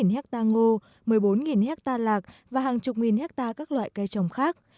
một trăm linh tám hecta ngô một mươi bốn hecta lạc và hàng chục nghìn hecta các loại cây trồng khác